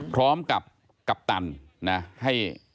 พร้อมกับกัปตันนะให้